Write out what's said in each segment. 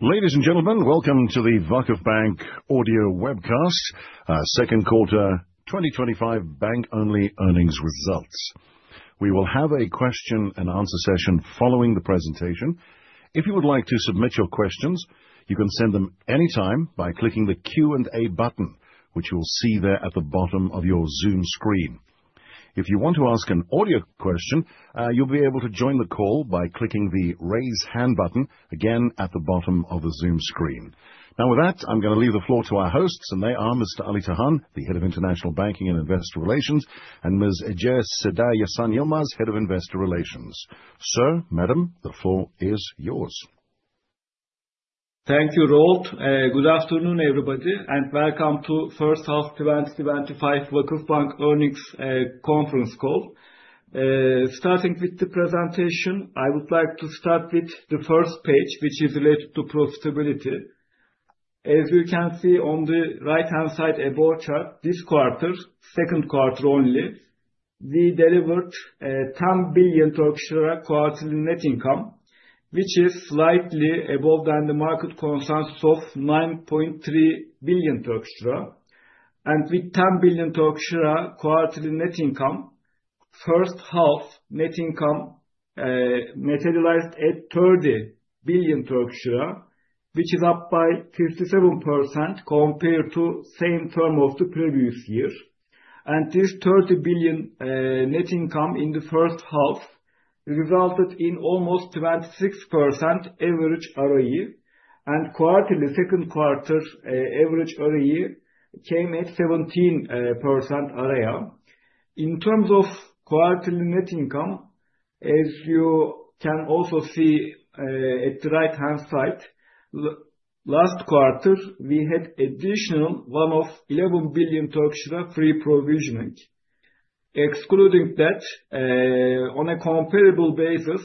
Ladies and gentlemen, welcome to the VakıfBank Audio Webcast, our second quarter 2025 bank only earnings results. We will have a question and answer session following the presentation. If you would like to submit your questions, you can send them anytime by clicking the Q&A button, which you will see there at the bottom of your Zoom screen. If you want to ask an audio question, you'll be able to join the call by clicking the raise hand button again at the bottom of the Zoom screen. Now, with that, I'm going to leave the floor to our hosts, and they are Mr. Ali Tahan, Head of International Banking and Investor Relations, and Ms. Ece Seda Yasan Yılmaz, Head of Investor Relations. Sir, madam, the floor is yours. Thank you, Roel. Good afternoon, everybody, and welcome to first half 2025 VakıfBank earnings conference call. Starting with the presentation, I would like to start with the first page, which is related to profitability. As you can see on the right-hand side above chart, this quarter, second quarter only, we delivered 10 billion Turkish lira quarterly net income, which is slightly above the market consensus of 9.3 billion Turkish lira. With 10 billion Turkish lira quarterly net income, first-half net income materialized at 30 billion Turkish lira, which is up by 57% compared to same term of the previous year. This 30 billion net income in the first half resulted in almost 26% average ROE and quarterly second quarter average ROE came at 17% ROA. In terms of quarterly net income, as you can also see, at the right-hand side, last quarter, we had additional one-off 11 billion provision. Excluding that, on a comparable basis,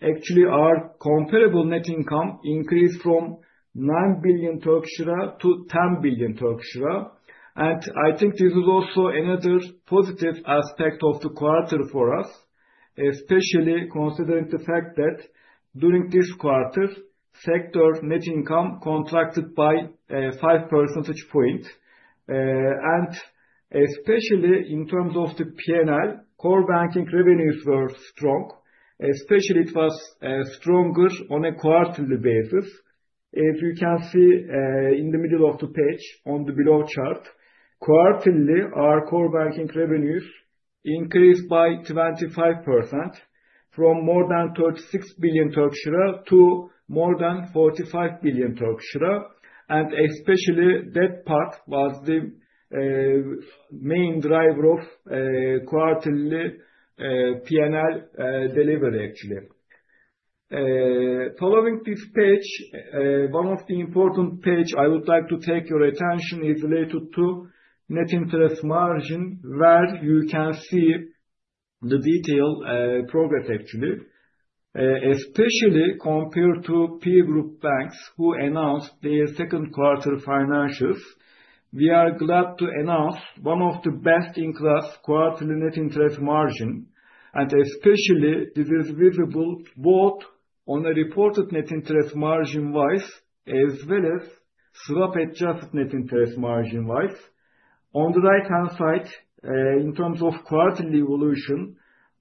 actually our comparable net income increased from 9 billion Turkish lira- 10 billion Turkish lira. I think this is also another positive aspect of the quarter for us, especially considering the fact that during this quarter, sector net income contracted by five percentage point. And especially in terms of the P&L, core banking revenues were strong, especially it was stronger on a quarterly basis. As you can see, in the middle of the page on the below chart, quarterly our core banking revenues increased by 25% from more than 36 billion Turkish lira to more than 45 billion Turkish lira. Especially that part was the main driver of quarterly P&L delivery actually. Following this page, one of the important page I would like to take your attention is related to net interest margin, where you can see the detailed progress actually. Especially compared to peer group banks who announced their second quarter financials, we are glad to announce one of the best-in-class quarterly net interest margin. Especially this is visible both on a reported net interest margin wise as well as swap-adjusted net interest margin wise. On the right-hand side, in terms of quarterly evolution,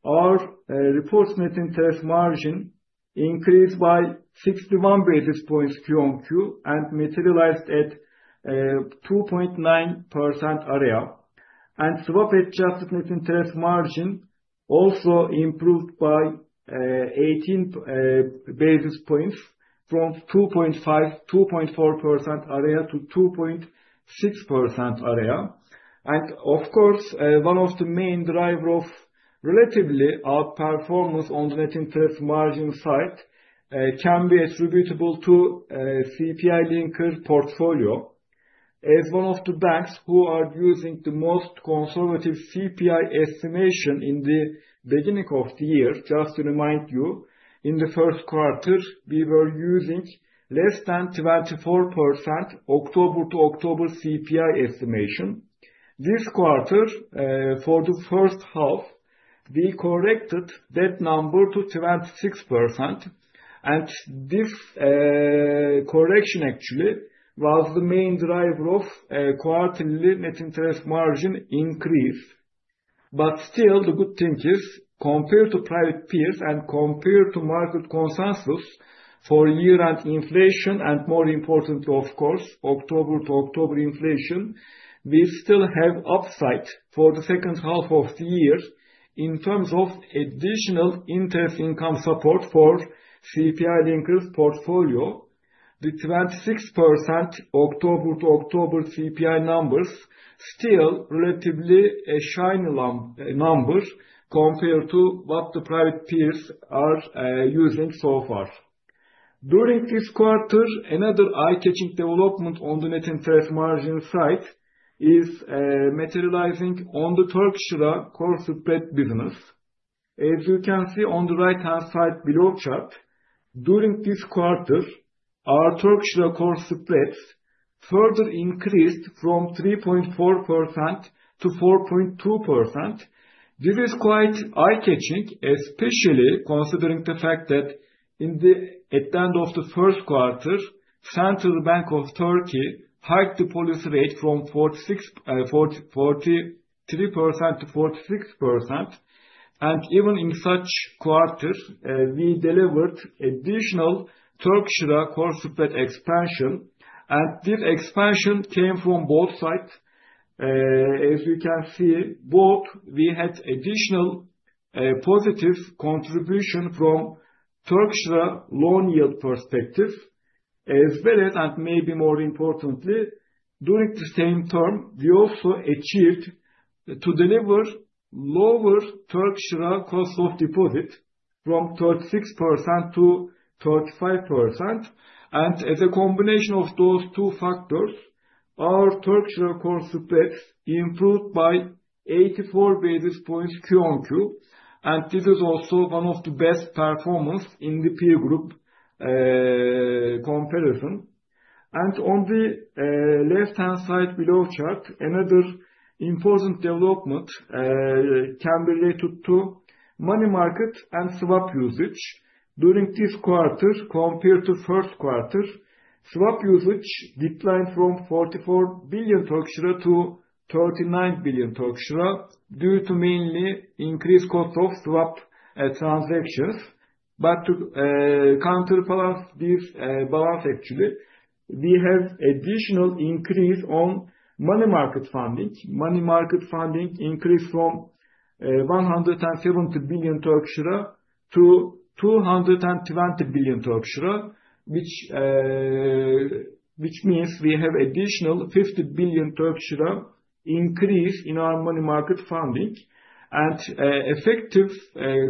our reported net interest margin increased by 61 basis points Q-on-Q and materialized at 2.9% ROA. Swap-adjusted net interest margin also improved by 18 basis points from 2.4% ROA-2.6% ROA. Of course, one of the main driver of relatively our performance on the net interest margin side can be attributable to CPI-linked portfolio. As one of the banks who are using the most conservative CPI estimation in the beginning of the year, just to remind you, in the first quarter, we were using less than 24% October to October CPI estimation. This quarter, for the first half, we corrected that number to 26%. This correction actually was the main driver of quarterly net interest margin increase. Still, the good thing is, compared to private peers and compared to market consensus for year-end inflation, and more importantly, of course, October to October inflation, we still have upside for the second half of the year in terms of additional interest income support for CPI-linked portfolio. The 26% October to October CPI numbers still relatively a shiny number compared to what the private peers are using so far. During this quarter, another eye-catching development on the net interest margin side is materializing on the Turkish lira core spread business. As you can see on the right-hand side below chart, during this quarter, our Turkish lira core spreads further increased from 3.4%-4.2%. This is quite eye-catching, especially considering the fact that at the end of the first quarter, Central Bank of Turkey hiked the policy rate from 43%-46%. Even in such quarter, we delivered additional Turkish lira core spread expansion, and this expansion came from both sides. As you can see, both we had additional positive contribution from Turkish lira loan yield perspective, as well as, and maybe more importantly, during the same term, we also achieved to deliver lower Turkish lira cost of deposit from 36%-35%. As a combination of those two factors, our Turkish lira core spreads improved by 84 basis points QOQ, and this is also one of the best performance in the peer group comparison. On the left-hand side below chart, another important development can be related to money market and swap usage. During this quarter, compared to first quarter, swap usage declined from 44 billion-39 billion Turkish lira due to mainly increased cost of swap transactions. To counterbalance this balance actually, we have additional increase on money market funding. Money market funding increased from 170 billion-220 billion Turkish lira, which means we have additional 50 billion Turkish lira increase in our money market funding and effective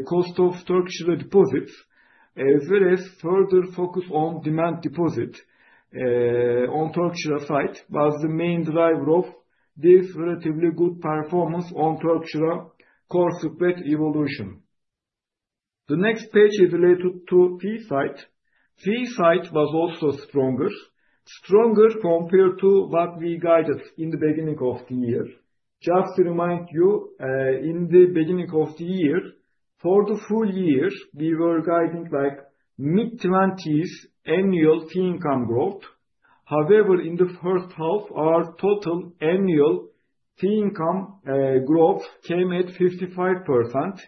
cost of Turkish lira deposits, as well as further focus on demand deposit on Turkish lira side, was the main driver of this relatively good performance on Turkish lira core spread evolution. The next page is related to fee side. Fee side was also stronger. Stronger compared to what we guided in the beginning of the year. Just to remind you, in the beginning of the year, for the full-year, we were guiding like mid-twenties annual fee income growth. However, in the first half, our total annual fee income growth came at 55%,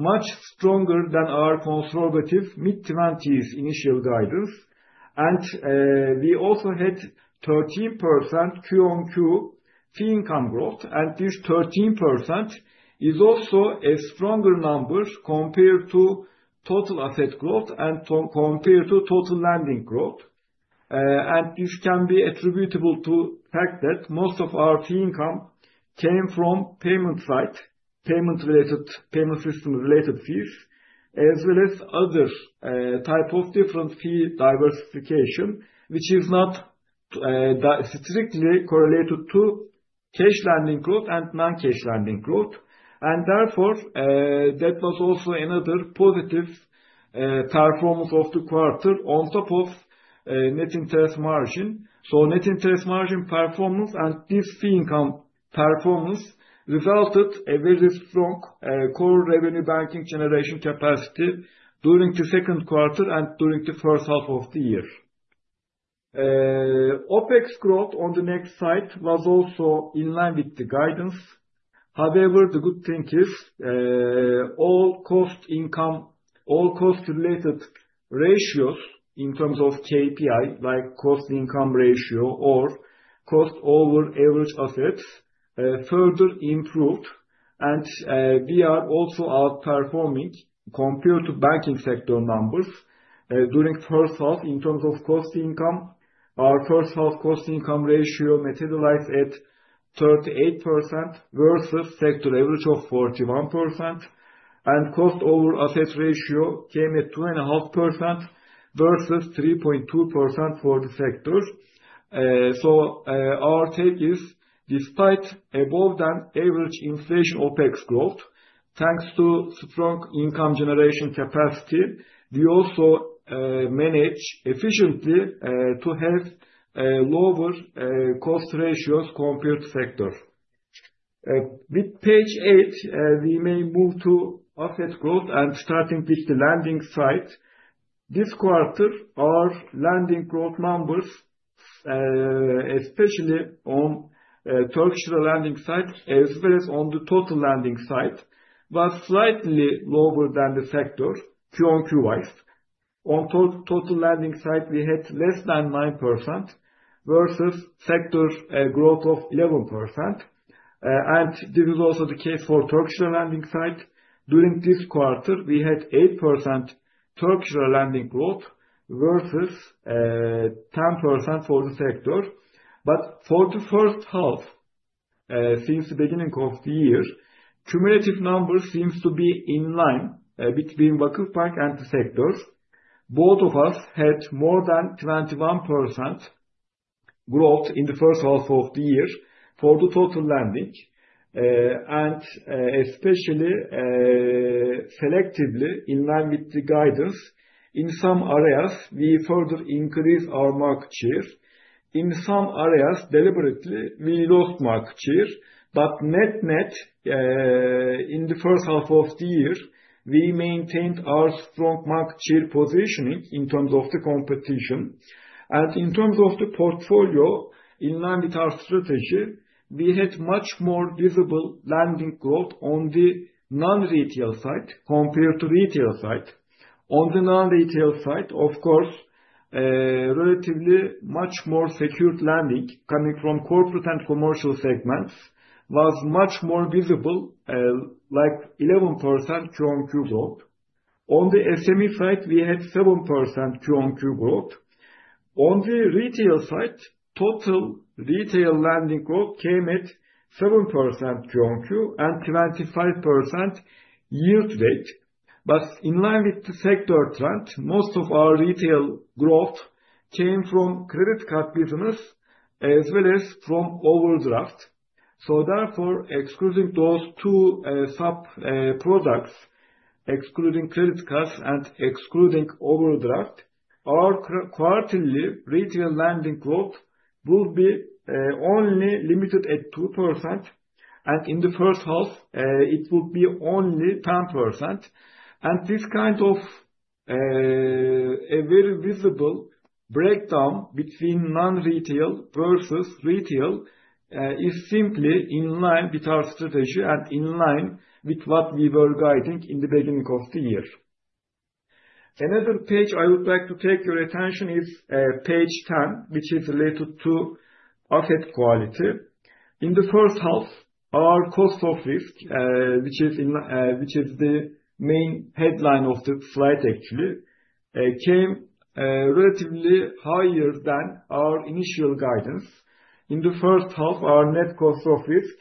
much stronger than our conservative mid-twenties initial guidance. We also had 13% Q-on-Q fee income growth. This 13% is also a stronger number compared to total asset growth and compared to total lending growth. This can be attributable to the fact that most of our fee income came from payment side, payment-related, payment system-related fees, as well as other type of different fee diversification, which is not strictly correlated to cash lending growth and non-cash lending growth. Therefore, that was also another positive performance of the quarter on top of net interest margin. Net interest margin performance and this fee income performance resulted a very strong core revenue banking generation capacity during the second quarter and during the first half of the year. OpEx growth on the expense side was also in line with the guidance. However, the good thing is, all cost income, all cost-related ratios in terms of KPI, like cost income ratio or cost over average assets, further improved. We are also outperforming compared to banking sector numbers during first half in terms of cost income. Our first half cost income ratio materialized at 38% versus sector average of 41%. Cost over asset ratio came at 2.5% versus 3.2% for the sector. Our take is despite higher-than-average inflation OpEx growth, thanks to strong income generation capacity, we also manage efficiently to have lower cost ratios compared to sector. With page eight, we may move to asset growth and starting with the lending side. This quarter, our lending growth numbers, especially on Turkish lira lending side, as well as on the total lending side, was slightly lower than the sector Q-on-Q-wise. On total lending side, we had less than 9% versus sector growth of 11%. This is also the case for Turkish lira lending side. During this quarter, we had 8% Turkish lira lending growth versus 10% for the sector. For the first half, since the beginning of the year, cumulative numbers seems to be in line between VakıfBank and the sectors. Both of us had more than 21% growth in the first half of the year for the total lending, and especially selectively in line with the guidance. In some areas, we further increased our market share. In some areas deliberately, we lost market share. Net-net, in the first half of the year, we maintained our strong market share positioning in terms of the competition. In terms of the portfolio, in line with our strategy, we had much more visible lending growth on the non-retail side compared to retail side. On the non-retail side, of course, relatively much more secured lending coming from corporate and commercial segments was much more visible, like 11% QOQ growth. On the SME side, we had 7% QOQ growth. On the retail side, total retail lending growth came at 7% Q-on-Q and 25% year-to-date. In line with the sector trend, most of our retail growth came from credit card business as well as from overdraft. Excluding those two sub-products, excluding credit cards and excluding overdraft, our quarterly retail lending growth will be only limited at 2%, and in the first half, it would be only 10%. This kind of a very visible breakdown between non-retail versus retail is simply in line with our strategy and in line with what we were guiding in the beginning of the year. Another page I would like to draw your attention to is page 10, which is related to asset quality. In the first half, our cost of risk, which is the main headline of the slide actually, came relatively higher than our initial guidance. In the first half, our net cost of risk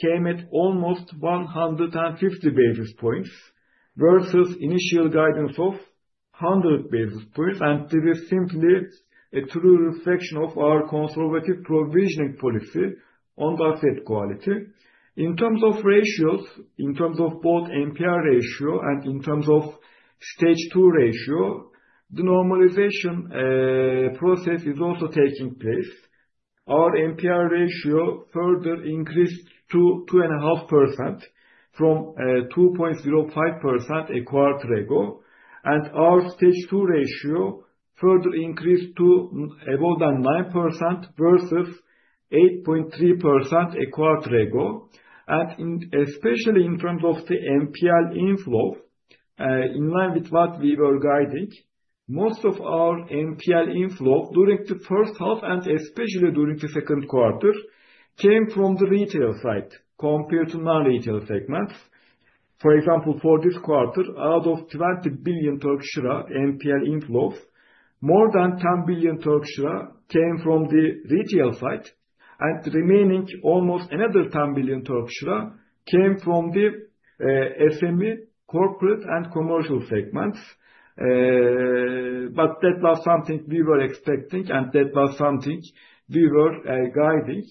came at almost 150 basis points versus initial guidance of 100 basis points. This is simply a true reflection of our conservative provisioning policy on the asset quality. In terms of ratios, in terms of both NPL ratio and in terms of Stage 2 ratio, the normalization process is also taking place. Our NPL ratio further increased to 2.5% from 2.05% a quarter ago. Our Stage 2 ratio further increased to above than 9% versus 8.3% a quarter ago. Especially in front of the NPL inflow, in line with what we were guiding, most of our NPL inflow during the first half and especially during the second quarter came from the retail side compared to non-retail segments. For example, for this quarter, out of 20 billion Turkish lira NPL inflows, more than 10 billion Turkish lira came from the retail side, and the remaining almost another 10 billion Turkish lira came from the SME, corporate and commercial segments. That was something we were expecting and that was something we were guiding.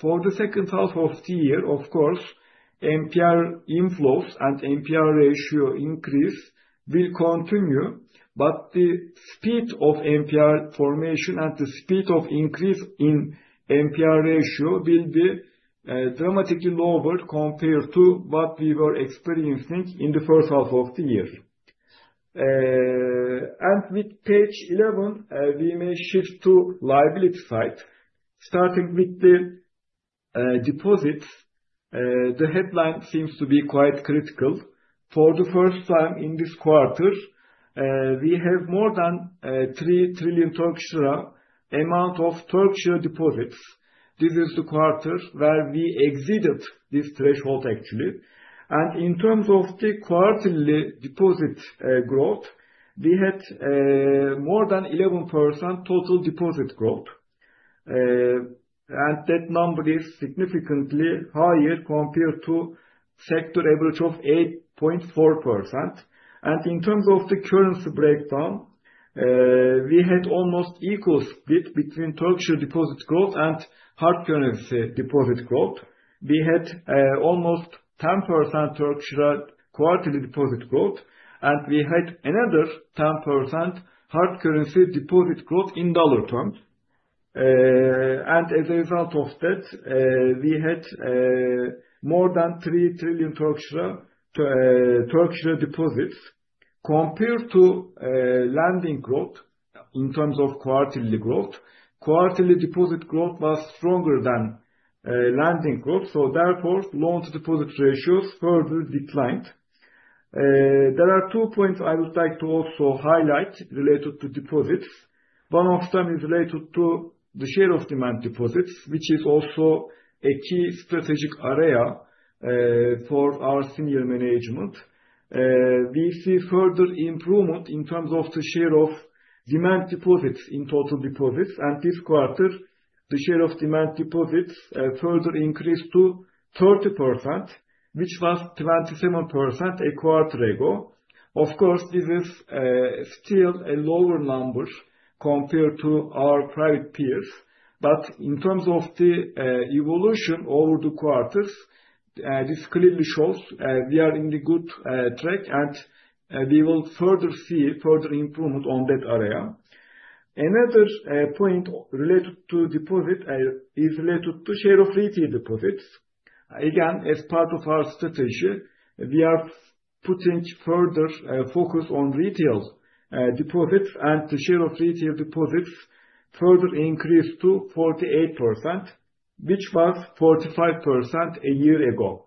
For the second half of the year, of course, NPL inflows and NPL ratio increase will continue. The speed of NPL formation and the speed of increase in NPL ratio will be dramatically lower compared to what we were experiencing in the first half of the year. With page eleven, we may shift to liability side. Starting with the deposits, the headline seems to be quite critical. For the first time in this quarter, we have more than 3 trillion Turkish lira of Turkish lira deposits. This is the quarter where we exceeded this threshold actually. In terms of the quarterly deposit growth, we had more than 11% total deposit growth. That number is significantly higher compared to sector average of 8.4%. In terms of the currency breakdown, we had almost equal split between Turkish deposit growth and hard currency deposit growth. We had almost 10% Turkish quarterly deposit growth, and we had another 10% hard currency deposit growth in dollar terms. As a result of that, we had more than 3 trillion deposits. Compared to lending growth in terms of quarterly growth, quarterly deposit growth was stronger than lending growth, so therefore, loan-to-deposit ratios further declined. There are two points I would like to also highlight related to deposits. One of them is related to the share of demand deposits, which is also a key strategic area for our senior management. We see further improvement in terms of the share of demand deposits in total deposits. This quarter, the share of demand deposits further increased to 30%, which was 27% a quarter ago. Of course, this is still a lower number compared to our private peers. In terms of the evolution over the quarters, this clearly shows we are in the good track, and we will further see further improvement on that area. Another point related to deposit is related to share of retail deposits. Again, as part of our strategy, we are putting further focus on retail deposits, and the share of retail deposits further increased to 48%, which was 45% a year ago.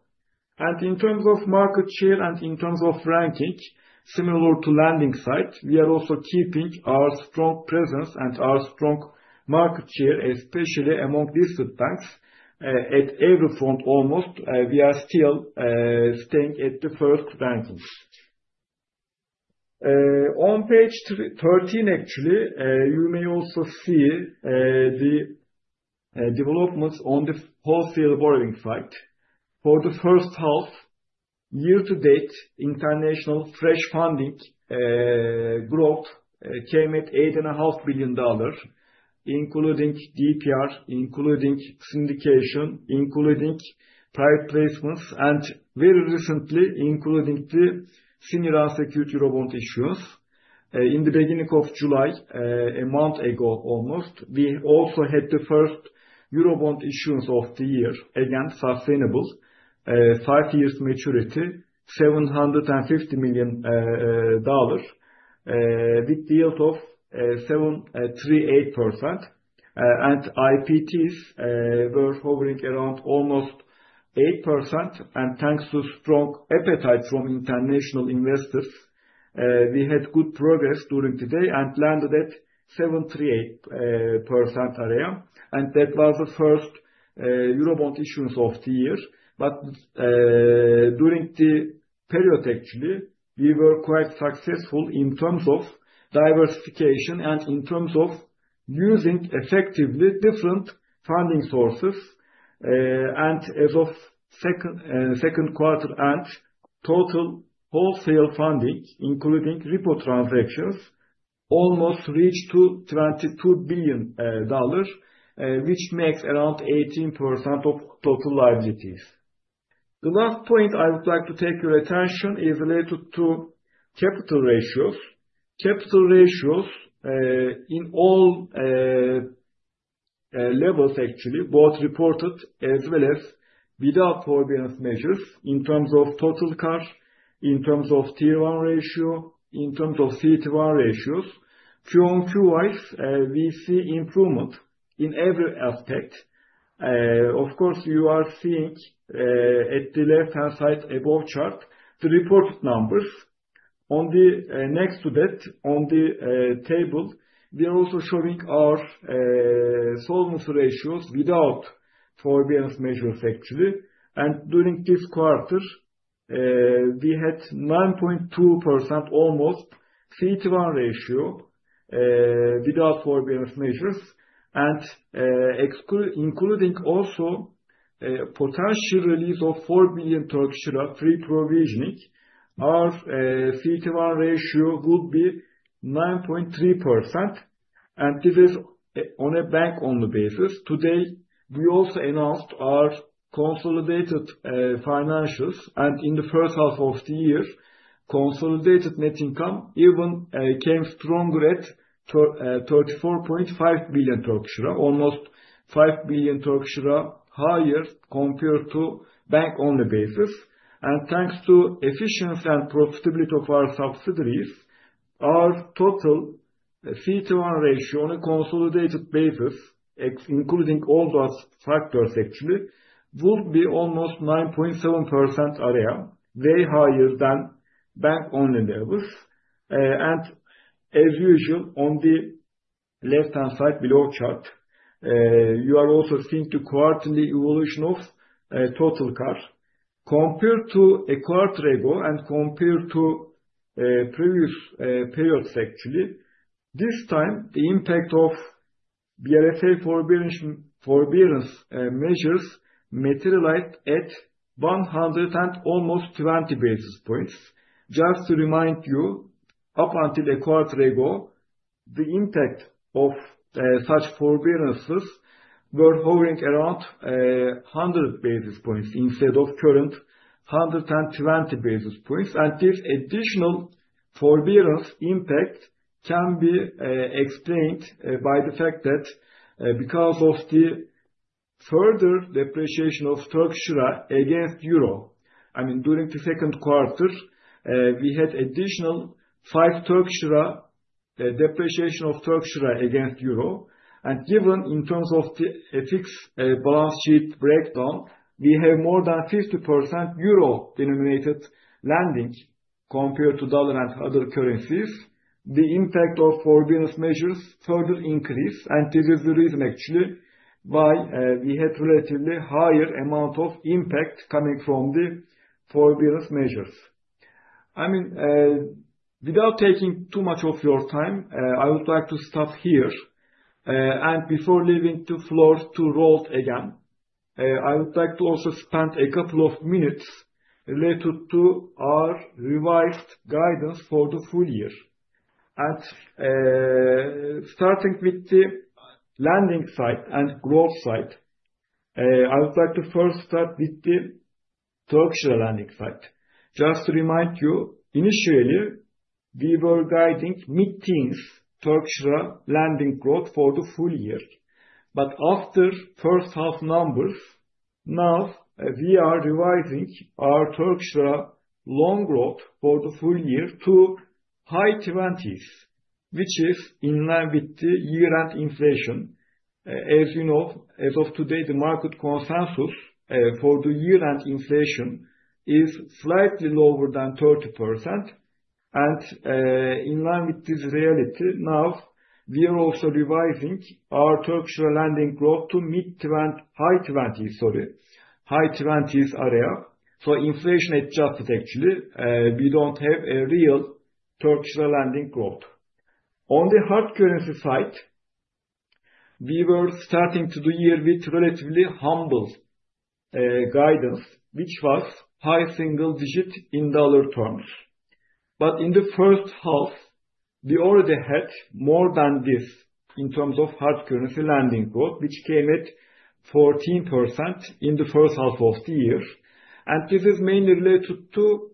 In terms of market share and in terms of ranking, similar to lending side, we are also keeping our strong presence and our strong market share, especially among listed banks. At every front, almost, we are still staying at the first rankings. On page 13, actually, you may also see the developments on the wholesale borrowing side. For the first half year to date, international fresh funding growth came at $8.5 billion, including DPR, including syndication, including private placements, and very recently, including the senior unsecured Eurobond issuance. In the beginning of July, a month ago almost, we also had the first Eurobond issuance of the year, again, sustainable, five years maturity, $750 million, with yield of 7.38%. IPTs were hovering around almost 8%. Thanks to strong appetite from international investors, we had good progress during the day and landed at 7.38% area. That was the first Eurobond issuance of the year. During the period, actually, we were quite successful in terms of diversification and in terms of using effectively different funding sources. As of second quarter end, total wholesale funding, including repo transactions, almost reached $22 billion, which makes around 18% of total liabilities. The last point I would like to take your attention is related to capital ratios. Capital ratios in all levels actually, both reported as well as without forbearance measures in terms of total CAR, in terms of Tier 1 ratio, in terms of CET 1 ratios. Q-on-Q-wise, we see improvement in every aspect. Of course, you are seeing at the left-hand side above chart, the reported numbers. On the next to that, on the table, we are also showing our solvency ratios without forbearance measures actually. During this quarter, we had almost 9.2% CET 1 ratio without forbearance measures. Including also potential release of TRY 4 billion pre-provisioning, our CET 1 ratio would be 9.3%. This is on a bank-only basis. Today, we also announced our consolidated financials. In the first half of the year, consolidated net income even came stronger at 34.5 billion Turkish lira, almost 5 billion Turkish lira higher compared to bank-only basis. Thanks to efficiency and profitability of our subsidiaries, our total CET 1 ratio on a consolidated basis, including all those factors actually, would be almost 9.7% area, way higher than bank-only levels. As usual, on the left-hand side below chart, you are also seeing the quarterly evolution of total CAR. Compared to a quarter ago and compared to previous periods actually, this time, the impact of BRSA forbearance measures materialized at 100 and almost 20 basis points. Just to remind you, up until a quarter ago, the impact of such forbearances were hovering around 100 basis points instead of current 120 basis points. This additional forbearance impact can be explained by the fact that because of the further depreciation of Turkish lira against euro, I mean, during the second quarter, we had additional five Turkish lira depreciation against euro. Given in terms of the FX balance sheet breakdown, we have more than 50% euro-denominated lending compared to dollar and other currencies. The impact of forbearance measures further increased, and this is the reason actually why we had relatively higher amount of impact coming from the forbearance measures. I mean, without taking too much of your time, I would like to stop here. Before leaving the floor to Roel again, I would like to also spend a couple of minutes related to our revised guidance for the full-year. Starting with the lending side and growth side, I would like to first start with the Turkish lira lending side. Just to remind you, initially, we were guiding mid-teens Turkish lira lending growth for the full-year. After first half numbers, now we are revising our Turkish lira loan growth for the full-year to high twenties, which is in line with the year-end inflation. As you know, as of today, the market consensus for the year-end inflation is slightly lower than 30%. In line with this reality, now we are also revising our Turkish lira lending growth to high 20s, sorry. High 20s area. Inflation-adjusted, actually, we don't have a real Turkish lira lending growth. On the hard currency side, we were starting the year with relatively humble guidance, which was high single digit in dollar terms. In the first half, we already had more than this in terms of hard currency lending growth, which came at 14% in the first half of the year. This is mainly related to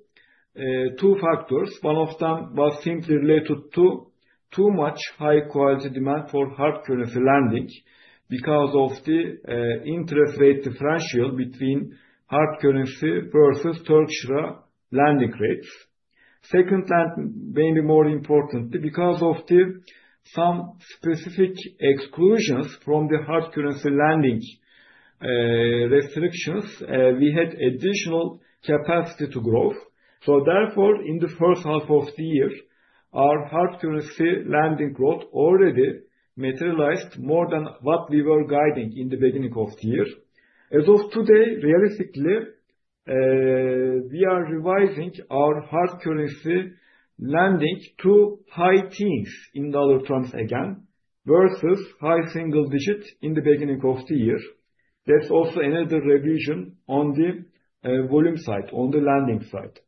two factors. One of them was simply related to too much high quality demand for hard currency lending because of the interest rate differential between hard currency versus Turkish lira lending rates. Second, and maybe more importantly, because of some specific exclusions from the hard currency lending restrictions, we had additional capacity to grow. Therefore, in the first half of the year, our hard currency lending growth already materialized more than what we were guiding in the beginning of the year. As of today, realistically, we are revising our hard currency lending to high teens in dollar terms again, versus high-single digits in the beginning of the year. That's also another revision on the volume side, on the lending side.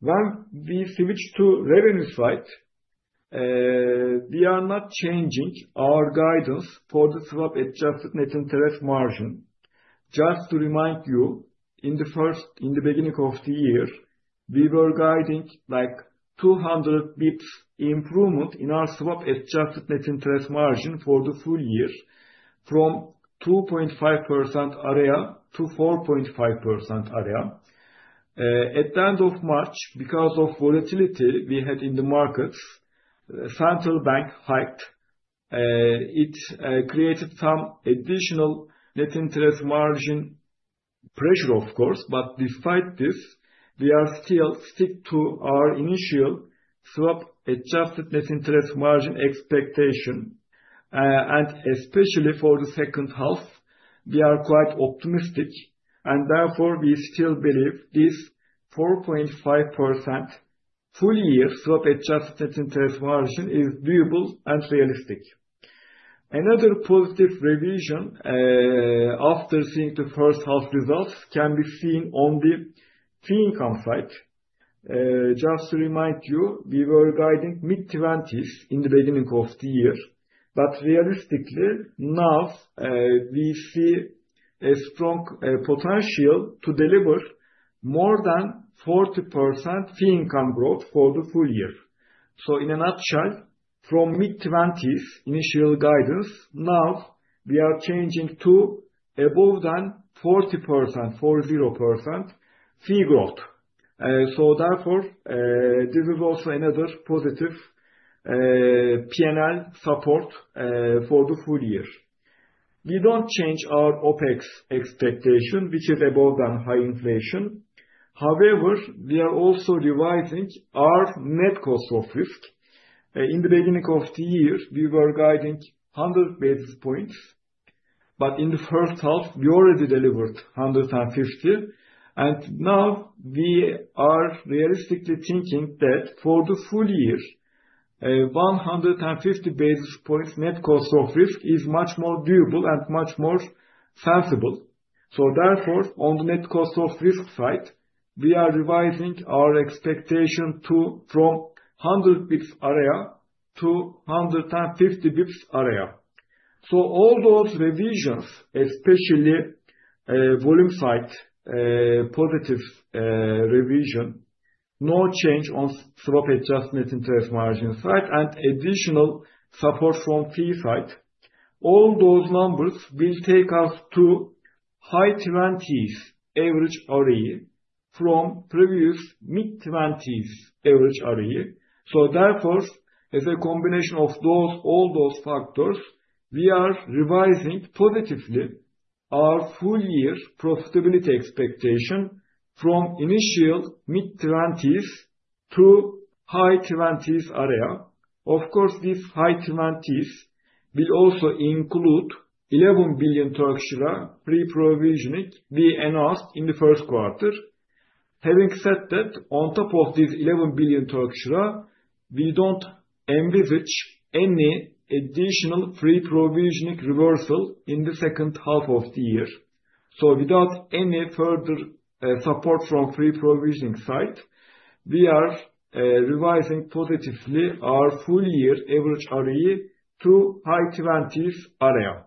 When we switch to revenue side, we are not changing our guidance for the swap-adjusted net interest margin. Just to remind you, in the beginning of the year, we were guiding like 200 basis points improvement in our swap-adjusted net interest margin for the full-year from 2.5% area-4.5% area. At the end of March, because of volatility we had in the markets, central bank hiked. It created some additional net interest margin pressure, of course. But despite this, we are still stick to our initial swap-adjusted net interest margin expectation. Especially for the second half, we are quite optimistic, and therefore we still believe this 4.5% full-year swap-adjusted net interest margin is doable and realistic. Another positive revision after seeing the first-half results can be seen on the fee income side. Just to remind you, we were guiding mid-20s in the beginning of the year. Realistically, now, we see a strong potential to deliver more than 40% fee income growth for the full-year. In a nutshell, from mid-20s initial guidance, now we are changing to above than 40%, 40% fee growth. Therefore, this is also another positive P&L support for the full-year. We don't change our OpEx expectation, which is above than high inflation. However, we are also revising our net cost of risk. In the beginning of the year, we were guiding 100 basis points, but in the first half, we already delivered 150. Now we are realistically thinking that for the full-year, a 150 basis points net cost of risk is much more doable and much more sensible. Therefore, on the net cost of risk side, we are revising our expectation to from 100 basis points area-150 basis points area. All those revisions, especially, volume side, positive, revision, no change on swap-adjusted net interest margin side, and additional support from fee side. All those numbers will take us to high twenties average ROE from previous mid-twenties average ROE. Therefore, as a combination of those, all those factors, we are revising positively our full-year profitability expectation from initial mid-twenties to high twenties area. Of course, this high twenties will also include 11 billion Turkish lira pre-provisioning we announced in the first quarter. Having said that, on top of this 11 billion Turkish lira, we don't envisage any additional free provision reversal in the second half of the year. Without any further support from free provisioning side, we are revising positively our full-year average ROE through high twenties area.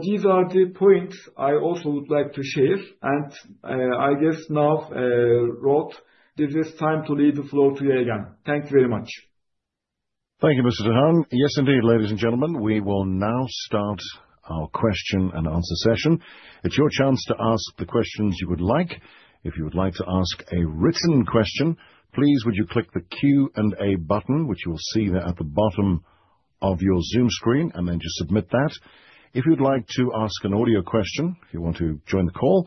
These are the points I also would like to share. I guess now, Roel, this is time to leave the floor to you again. Thank you very much. Thank you, Mr. Tahan. Yes, indeed, ladies and gentlemen, we will now start our question and answer session. It's your chance to ask the questions you would like. If you would like to ask a written question, please would you click the Q&A button, which you will see there at the bottom of your Zoom screen, and then just submit that. If you'd like to ask an audio question, if you want to join the call.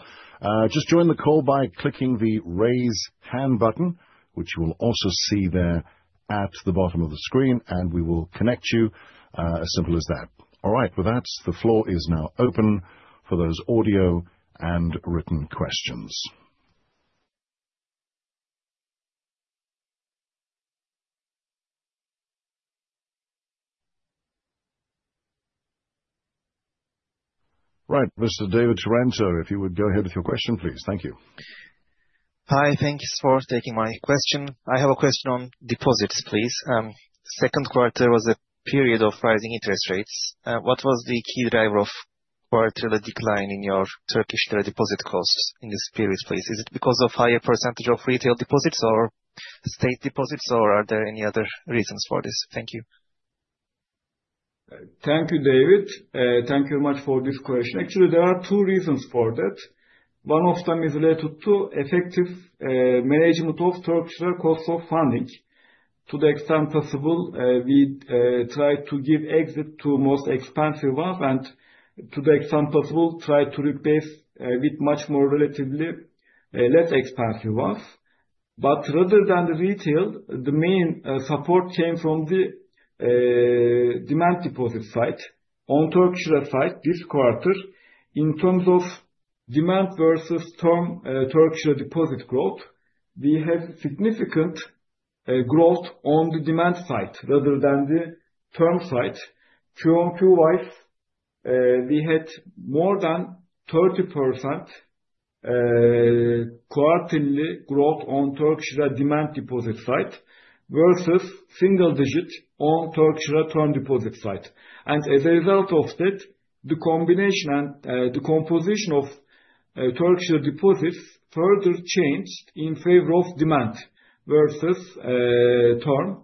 Just join the call by clicking the raise hand button, which you will also see there at the bottom of the screen, and we will connect you. As simple as that. All right. With that, the floor is now open for those audio and written questions. Right, Mr. David Taranto, if you would go ahead with your question, please. Thank you. Hi. Thanks for taking my question. I have a question on deposits, please. Second quarter was a period of rising interest rates. What was the key driver of quarterly decline in your Turkish lira deposit costs in this period, please? Is it because of higher percentage of retail deposits or state deposits, or are there any other reasons for this? Thank you. Thank you, David. Thank you very much for this question. Actually, there are two reasons for that. One of them is related to effective management of structural cost of funding. To the extent possible, we try to give exit to most expensive ones and to the extent possible, try to replace with much more relatively less expensive ones. But rather than the retail, the main support came from the demand deposit side. On Turkish lira side this quarter, in terms of demand versus term, Turkish lira deposit growth, we had significant growth on the demand side rather than the term side. Q-on-Q-wise, we had more than 30% quarterly growth on Turkish lira demand deposit side versus single-digit on Turkish lira term deposit side. As a result of that, the combination and the composition of Turkish lira deposits further changed in favor of demand versus term.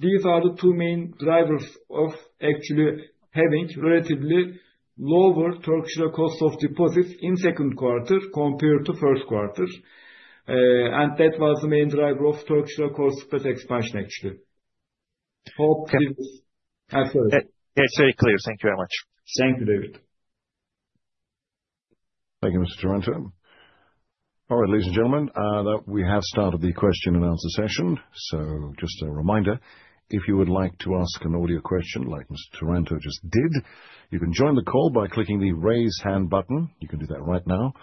These are the two main drivers of actually having relatively lower Turkish lira cost of deposits in second quarter compared to first quarter. That was the main driver of Turkish lira cost spread expansion, actually. Hope clear. Yes. It's very clear. Thank you very much. Thank you, David. Thank you, Mr. Taranto. All right, ladies and gentlemen, we have started the question and answer session. Just a reminder, if you would like to ask an audio question like Mr. Taranto just did, you can join the call by clicking the raise hand button. You can do that right now.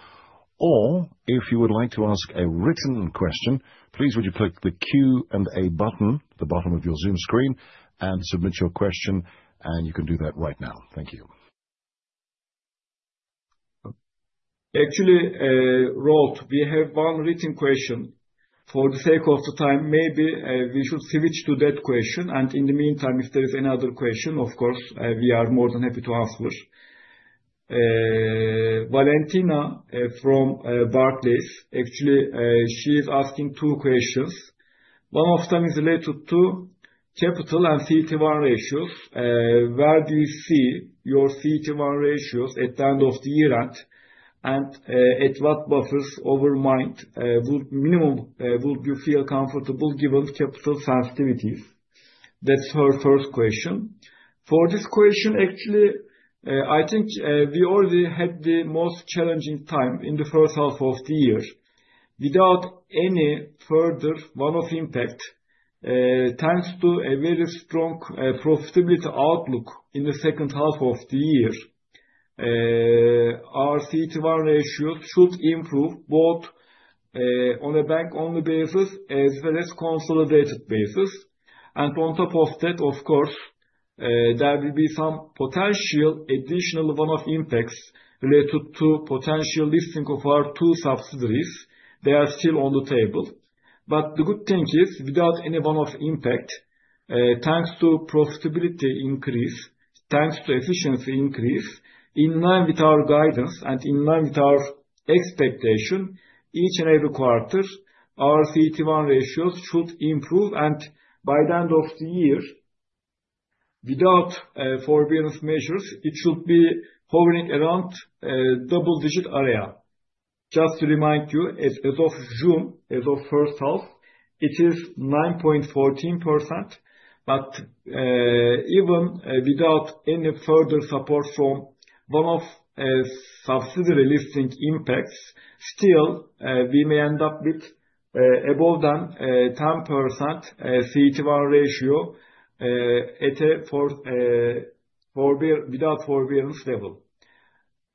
If you would like to ask a written question, please would you click the Q&A button at the bottom of your Zoom screen and submit your question. You can do that right now. Thank you. Actually, Roel, we have one written question. For the sake of the time, maybe we should switch to that question. In the meantime, if there is any other question, of course, we are more than happy to answer. Valentina from Barclays. Actually, she is asking two questions. One of them is related to capital and CET 1 ratios. Where do you see your CET 1 ratios at the end of the year? And at what buffers over minimum would you feel comfortable given capital sensitivities? That's her first question. For this question, actually, I think we already had the most challenging time in the first half of the year. Without any further one-off impact, thanks to a very strong profitability outlook in the second half of the year, our CET 1 ratios should improve both on a bank only basis as well as consolidated basis. On top of that, of course, there will be some potential additional one-off impacts related to potential listing of our two subsidiaries. They are still on the table. The good thing is, without any one-off impact, thanks to profitability increase, thanks to efficiency increase, in line with our guidance and in line with our expectation, each and every quarter, our CET 1 ratios should improve. By the end of the year, without forbearance measures, it should be hovering around a double-digit area. Just to remind you, as of June, as of first half, it is 9.14%. Even without any further support from one-off subsidiary listing impacts, still we may end up with above 10% CET 1 ratio without forbearance level.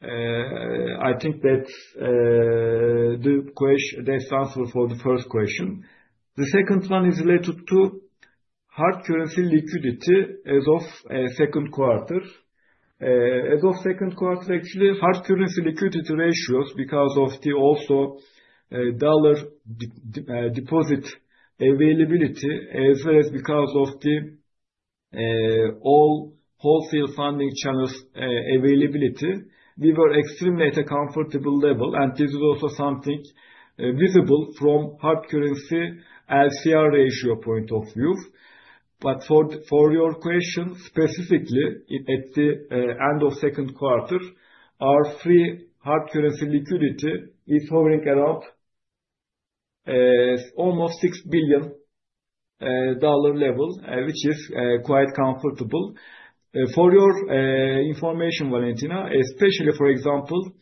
I think that's the answer for the first question. The second one is related to hard currency liquidity as of second quarter. As of second quarter, actually, hard currency liquidity ratios because of the also dollar deposit availability, as well as because of the all wholesale funding channels availability. We were extremely at a comfortable level, and this is also something visible from hard currency LCR ratio point of view. For your question, specifically at the end of second quarter, our free hard currency liquidity is hovering around almost $6 billion level, which is quite comfortable. For your information, Valentina, especially for example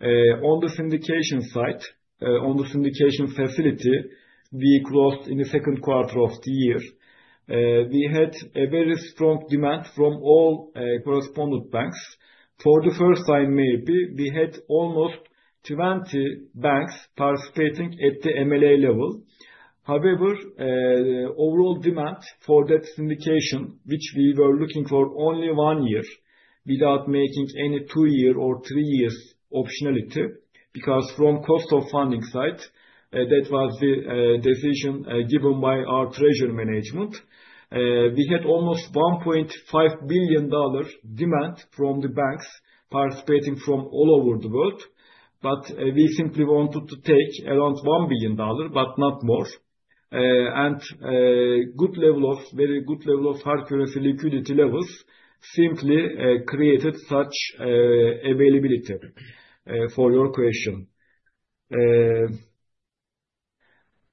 on the syndication side, on the syndication facility we closed in the second quarter of the year. We had a very strong demand from all correspondent banks. For the first time, maybe, we had almost 20 banks participating at the MLA level. However, overall demand for that syndication, which we were looking for only one year without making any two year or three years optionality, because from cost of funding side, that was the decision given by our treasury management. We had almost $1.5 billion demand from the banks participating from all over the world, but we simply wanted to take around $1 billion, but not more. Good level of, very good level of hard currency liquidity levels simply created such availability for your question.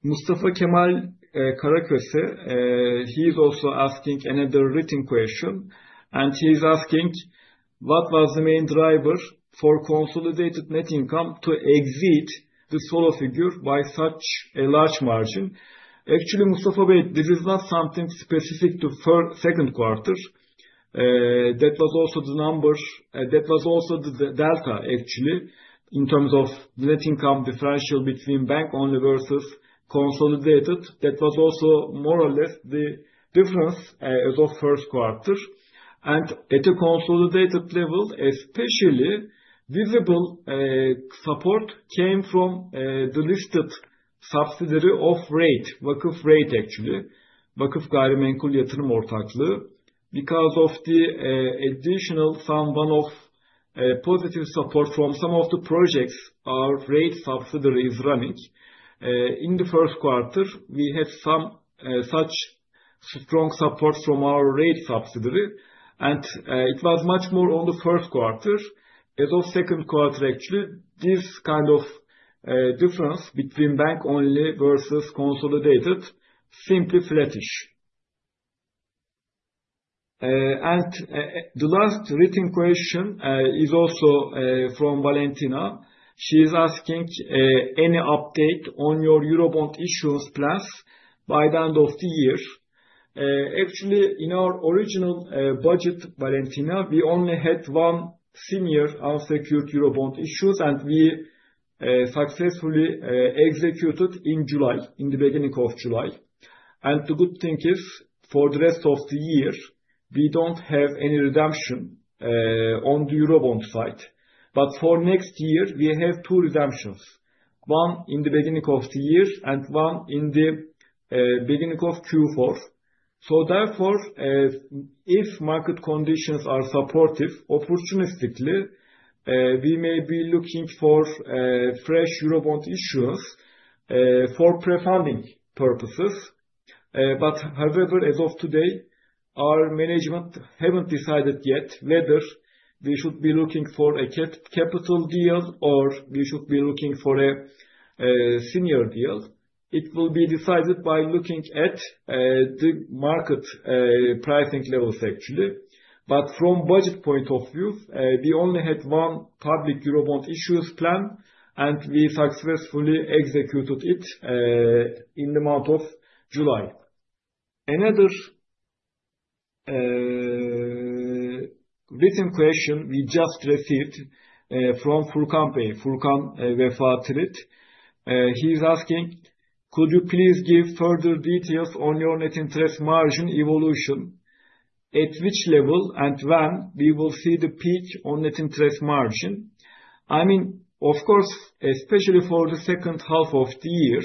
Mustafa Kemal Karaköse, he is also asking another written question, and he's asking: What was the main driver for consolidated net income to exceed the solo figure by such a large margin? Actually, Mustafa Bey, this is not something specific to second quarter. That was also the numbers. That was also the delta, actually, in terms of net income differential between bank only versus consolidated. That was also more or less the difference as of first quarter. At a consolidated level, especially visible support came from the listed subsidiary of REIT, Vakıf REIT, actually, Vakıf Gayrimenkul Yatırım Ortaklığı. Because of the additional some one-off positive support from some of the projects our REIT subsidiary is running. In the first quarter, we had some such strong support from our REIT subsidiary, and it was much more on the first quarter. As of second quarter, actually, this kind of difference between bank only versus consolidated, simply flattish. The last written question is also from Valentina. She is asking any update on your Eurobond issuance plans by the end of the year? Actually, in our original budget, Valentina, we only had one senior unsecured Eurobond issuance, and we successfully executed in July, in the beginning of July. The good thing is, for the rest of the year, we don't have any redemption on the Eurobond side. For next year, we have two redemptions, one in the beginning of the year and one in the beginning of Q4. Therefore, if market conditions are supportive, opportunistically, we may be looking for fresh Eurobond issuance for pre-funding purposes. However, as of today, our management haven't decided yet whether we should be looking for a capital deal or we should be looking for a senior deal. It will be decided by looking at the market pricing levels, actually. From budget point of view, we only had one public Eurobond issuance plan, and we successfully executed it in the month of July. Another written question we just received from Furkan Bey. Furkan Vefatilioğlu. He's asking: Could you please give further details on your net interest margin evolution? At which level and when we will see the peak on net interest margin? I mean, of course, especially for the second half of the year,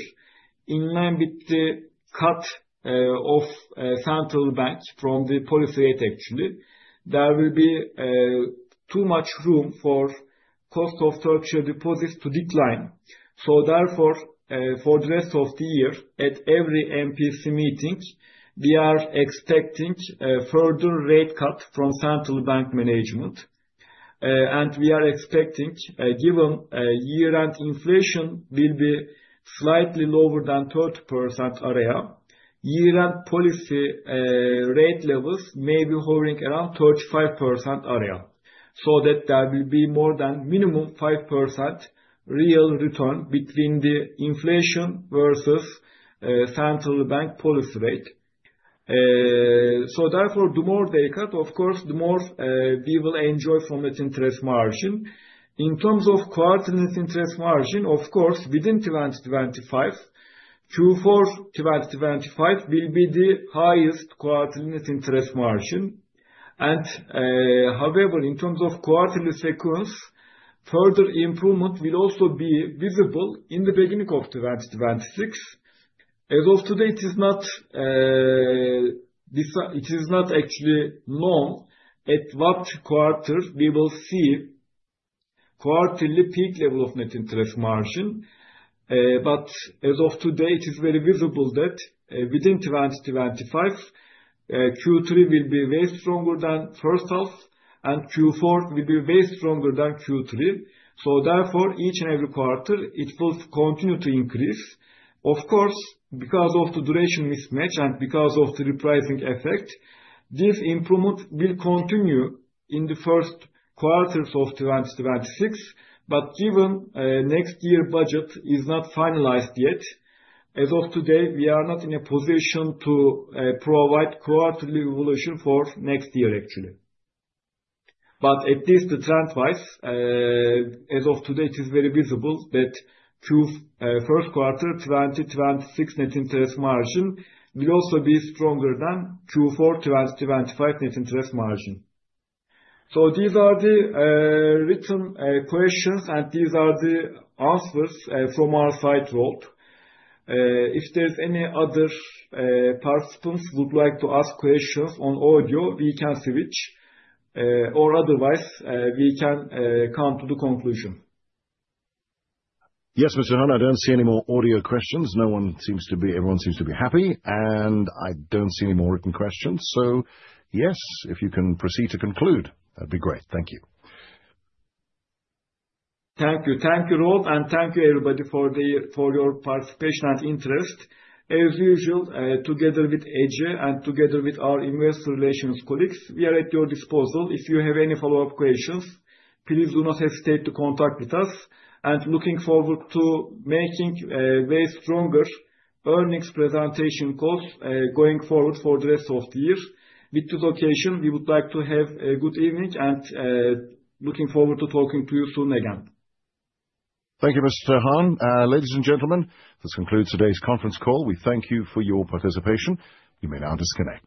in line with the cut of central bank from the policy rate, actually, there will be too much room for cost of structural deposits to decline. Therefore, for the rest of the year, at every MPC meeting, we are expecting a further rate cut from central bank management. We are expecting, given year-end inflation will be slightly lower than 30% area. Year-end policy rate levels may be hovering around 35% area, so that there will be more than minimum 5% real return between the inflation versus central bank policy rate. Therefore, the more they cut, of course, the more we will enjoy from the interest margin. In terms of quarterly net interest margin, of course, within 2025, Q4 2025 will be the highest quarterly net interest margin. However, in terms of quarterly sequence, further improvement will also be visible in the beginning of 2026. As of today, it is not actually known at what quarter we will see quarterly peak level of net interest margin. As of today, it is very visible that, within 2025, Q3 will be way stronger than first half, and Q4 will be way stronger than Q3. Each and every quarter, it will continue to increase. Of course, because of the duration mismatch and because of the repricing effect, this improvement will continue in the first quarters of 2026. Given next year budget is not finalized yet, as of today, we are not in a position to provide quarterly evolution for next year, actually. At least the trend-wise, as of today, it is very visible that first quarter 2026 net interest margin will also be stronger than Q4 2025 net interest margin. These are the written questions, and these are the answers from our side, Roel. If there's any other participants who would like to ask questions on audio, we can switch, or otherwise, we can come to the conclusion. Yes, Ali Tahan. I don't see any more audio questions. No one seems to be. Everyone seems to be happy, and I don't see any more written questions. Yes, if you can proceed to conclude, that'd be great. Thank you. Thank you. Thank you, Roel, and thank you, everybody, for your participation and interest. As usual, together with Ece and together with our investor relations colleagues, we are at your disposal. If you have any follow-up questions, please do not hesitate to contact with us. Looking forward to making way stronger earnings presentation calls going forward for the rest of the year. With this occasion, we would like to have a good evening and looking forward to talking to you soon again. Thank you, Ali Tahan. Ladies and gentlemen, this concludes today's conference call. We thank you for your participation. You may now disconnect.